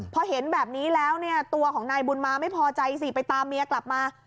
พอเห็นแบบนี้แล้วเนี่ยตัวของนายบุญมาไม่พอใจสิไปตามเมียกลับมา